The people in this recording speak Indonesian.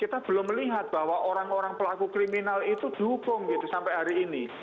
kita belum melihat bahwa orang orang pelaku kriminal itu dihukum gitu sampai hari ini